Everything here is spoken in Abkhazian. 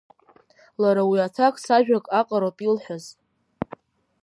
Лара уи аҭакс ажәак аҟароуп илҳәаз…